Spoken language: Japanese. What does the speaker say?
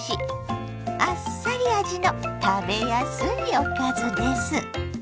あっさり味の食べやすいおかずです。